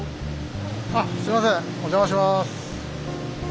あっすみませんお邪魔します。